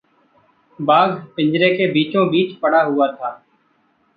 बाघ पिंजरे के बीचों-बीच पड़ा हुआ था।